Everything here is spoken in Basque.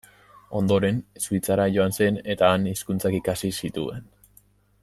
Ondoren Suitzara joan zen eta han hizkuntzak ikasi zituen.